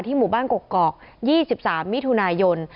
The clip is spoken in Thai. ที่หมู่บ้านกรก๒๓มิถุนายน